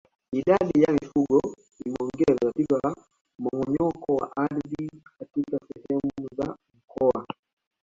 Idadi ya mifugo imeongeza tatizo la mmomonyoko wa ardhi katika sehemu za mkoa